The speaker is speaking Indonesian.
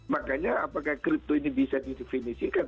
makanya apakah crypto ini bisa didefinisikan